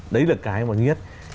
tức là cái mà nhất